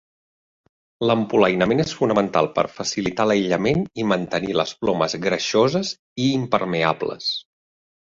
L"empolainament és fonamental per facilitar l"aïllament i mantenir les plomes greixoses i impermeables.